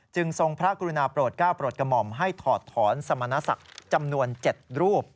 ทรงพระกรุณาโปรดก้าวโปรดกระหม่อมให้ถอดถอนสมณศักดิ์จำนวน๗รูป